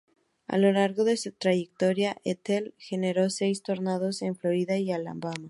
A lo largo de su trayectoria, Ethel generó seis tornados, en Florida y Alabama.